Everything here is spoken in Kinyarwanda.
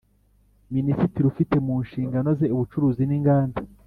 Minisitiri ufite mu nshingano ze Ubucuruzi n’Inganda